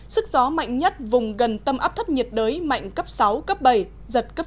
sức gió mạnh nhất vùng gần tâm áp thấp nhiệt đới mạnh cấp sáu cấp bảy giật cấp chín